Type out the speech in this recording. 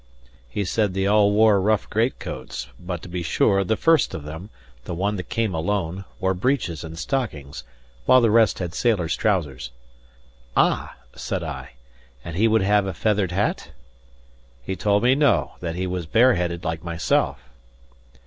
He said they all wore rough great coats; but to be sure, the first of them, the one that came alone, wore breeches and stockings, while the rest had sailors' trousers. "Ah," said I, "and he would have a feathered hat?" He told me, no, that he was bareheaded like myself.